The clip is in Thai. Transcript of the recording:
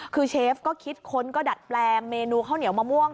คือเชฟก็คิดค้นก็ดัดแปลงเมนูข้าวเหนียวมะม่วง